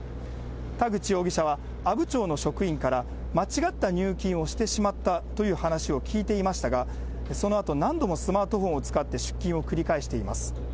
田口容疑者は、阿武町の職員から、間違った入金をしてしまったという話を聞いていましたが、そのあと、何度もスマートフォンを使って出金を繰り返しています。